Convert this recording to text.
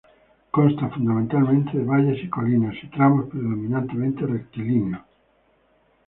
Constan fundamentalmente de valles y colinas, y tramos predominantemente rectilíneos.